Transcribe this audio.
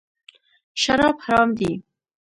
شراب حرام دي .